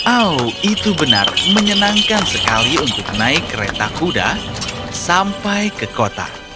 oh itu benar menyenangkan sekali untuk naik kereta kuda sampai ke kota